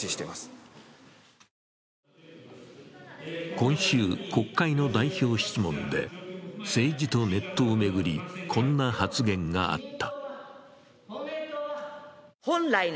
今週、国会の代表質問で政治とネットを巡りこんな発言があった。